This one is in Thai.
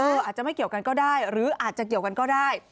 อาจจะไม่เกี่ยวกันก็ได้หรืออาจจะเกี่ยวกันก็ได้